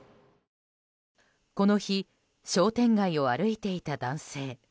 この日商店街を歩いていた男性。